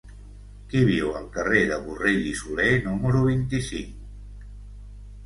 Qui viu al carrer de Borrell i Soler número vint-i-cinc?